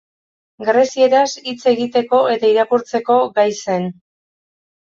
Grezieraz hitz egiteko eta irakurtzeko gai zen.